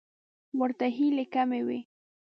ورته هیلې کمې وې.